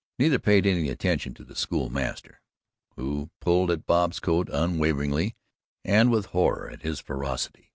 Neither paid any attention to the school master, who pulled at Bob's coat unavailingly and with horror at his ferocity.